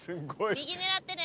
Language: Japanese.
右狙ってね。